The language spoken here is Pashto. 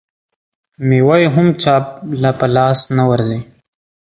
مېوه یې هم چا له په لاس نه ورځي.